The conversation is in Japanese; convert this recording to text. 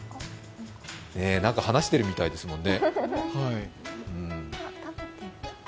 何か話しているみたいですもんね。